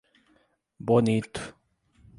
Bonito